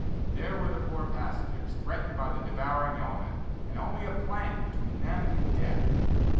There were the poor passengers, threatened by the devouring element, and only a plank between them and death.